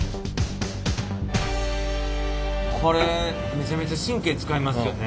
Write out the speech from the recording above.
これめちゃめちゃ神経使いますよね？